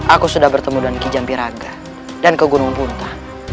aku sudah bertemu dengan kijampiraga dan ke gunung punta